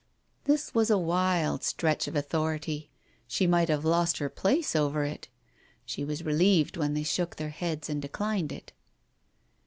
This was a wild stretch of authority. She might have lost her place over it. She was relieved when they shook their heads and declined it.